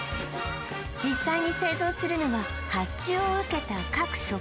実際に製造するのは発注を受けた各食品メーカーの